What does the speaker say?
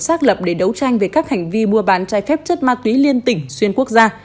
xác lập để đấu tranh về các hành vi mua bán trái phép chất ma túy liên tỉnh xuyên quốc gia